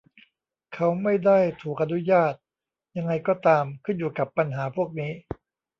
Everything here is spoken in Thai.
เขาไม่ได้ถูกอนุญาต ยังไงก็ตาม ขึ้นอยู่กับปัญหาพวกนี้